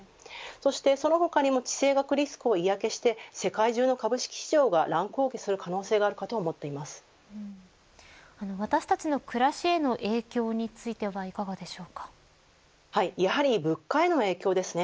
そしてその他にも地政学リスクを嫌気して世界中の株式市場が乱高下する私たちの暮らしへの影響にやはり物価への影響ですね。